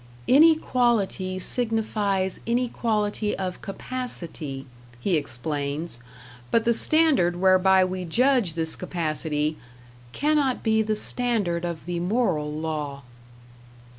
"Inequality signifies inequality of capacity," he explains; but the standard whereby we judge this capacity "cannot be the standard of the moral law."